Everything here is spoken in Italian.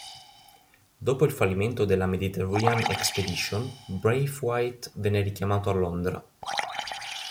Dopo il fallimento della Mediterranean expedition, Braithwaite venne richiamato a Londra.